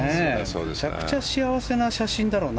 めちゃくちゃ幸せな写真だろうな。